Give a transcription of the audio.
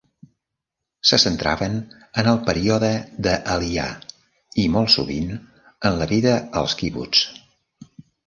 Se centraven en el període de l'aliyà i, molt sovint, en la vida als quibuts.